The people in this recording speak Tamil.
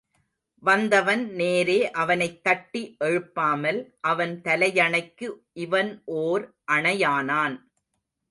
வந்தவன் நேரே அவனைத்தட்டி எழுப்பாமல் அவன் தலையணைக்கு இவன் ஓர் அணையானான்.